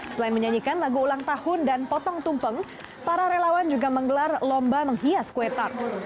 selain menyanyikan lagu ulang tahun dan potong tumpeng para relawan juga menggelar lomba menghias kue tak